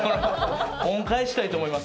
恩返したいと思います